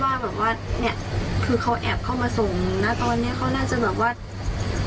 คือเขาแอบเข้ามาส่งนะตอนนี้เขาน่าจะแบบว่า